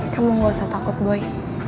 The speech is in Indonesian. kamu gak usah takut boy